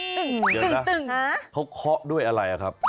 เดี๋ยวนะเขาเคาะด้วยอะไรครับ